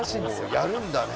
やるんだね。